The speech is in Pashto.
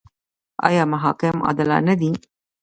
آیا محاکم عادلانه دي؟